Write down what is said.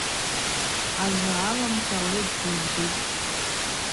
Ажва аламкӏва, ауи дгӏвгӏвы дупӏ.